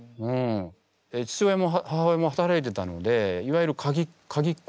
父親も母親も働いてたのでいわゆるかぎっ子？